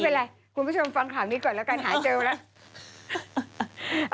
เป็นไรคุณผู้ชมฟังข่าวนี้ก่อนแล้วกันหาเจอแล้ว